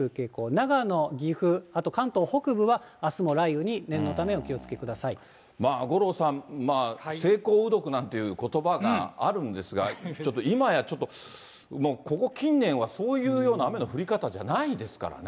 長野、岐阜、あと関東北部は、あすも雷雨に念のため、五郎さん、晴耕雨読なんていうことばがあるんですが、ちょっと今や、ちょっと、もうここ近年は、そういうような雨の降り方じゃないですからね。